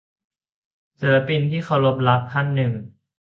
ศิลปินที่เคารพรักท่านหนึ่ง